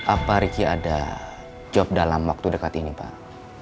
apa riki ada job dalam waktu dekat ini pak